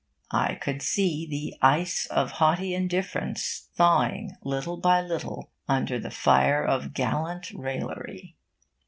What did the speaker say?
I could see the ice of haughty indifference thawing, little by little, under the fire of gallant raillery.